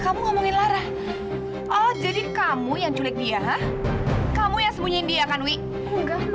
tapi infusannya habis di rumah sakit